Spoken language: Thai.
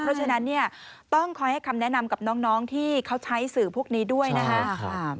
เพราะฉะนั้นเนี่ยต้องคอยให้คำแนะนำกับน้องที่เขาใช้สื่อพวกนี้ด้วยนะครับ